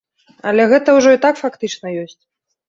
Але гэта ўжо і так фактычна ёсць.